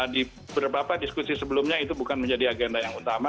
di beberapa diskusi sebelumnya itu bukan menjadi agenda yang utama